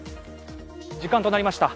時間となりました。